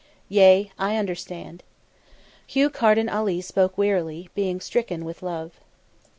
"Yea, I understand." Hugh Carden Ali spoke wearily, being stricken with love.